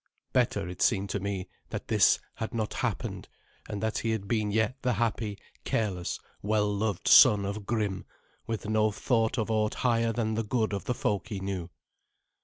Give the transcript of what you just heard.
Better, it seemed to me, that this had not happened, and that he had been yet the happy, careless, well loved son of Grim, with no thought of aught higher than the good of the folk he knew.